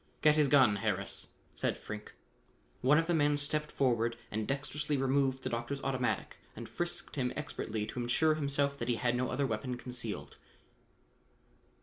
"Get his gun, Harris," said Frink. One of the men stepped forward and dextrously removed the doctor's automatic and frisked him expertly to insure himself that he had no other weapon concealed.